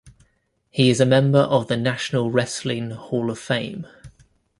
He is a member of the National Wrestling Hall of Fame.